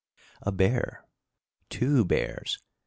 A bear! two bears!